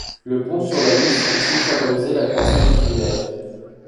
Le pont sur la Lys a ensuite favorisé la croissance du village.